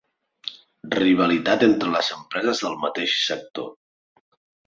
Rivalitat entre les empreses del mateix sector.